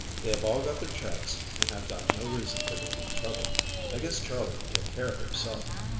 "They have all got their checks, and have got no reason for making trouble. I guess Charley can take care of himself.